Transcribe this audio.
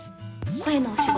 声のお仕事。